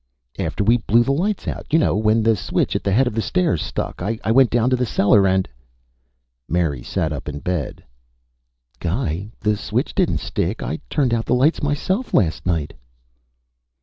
"After we blew the lights out. You know, when the switch at the head of the stairs stuck. I went down to the cellar and " Mary sat up in bed. "Guy, the switch didn't stick. I turned out the lights myself last night."